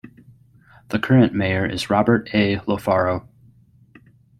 The current Mayor is Robert A Lofaro.